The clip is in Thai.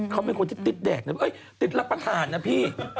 เขาเป็นคนที่ติ๊ดแดกนะติ๊ดรับประทานนะพี่